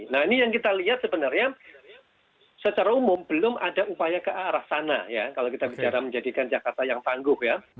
nah ini yang kita lihat sebenarnya secara umum belum ada upaya ke arah sana ya kalau kita bicara menjadikan jakarta yang tangguh ya